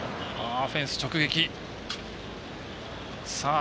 フェンス直撃。